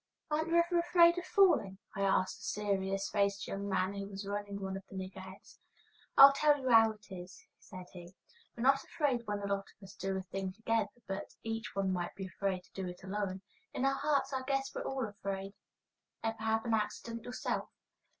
"Aren't you ever afraid of falling?" I asked a serious faced young man who was running one of the niggerheads. [Illustration: ON THE "TRAVELER." HOISTING A STRUT.] "I'll tell you how it is," said he; "we're not afraid when a lot of us do a thing together, but each one might be afraid to do it alone. In our hearts I guess we're all afraid." "Ever have an accident yourself?"